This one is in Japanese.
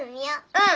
うん。